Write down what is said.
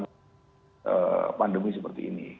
ee pandemi seperti ini